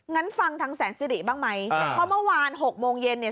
งั้นฟังทางแสนสิริบ้างไหมเพราะเมื่อวานหกโมงเย็นเนี่ย